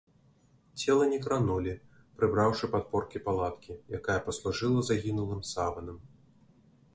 Цела не кранулі, прыбраўшы падпоркі палаткі, якая паслужыла загінулым саванам.